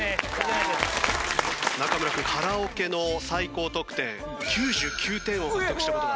中村君カラオケの最高得点９９点を獲得した事が。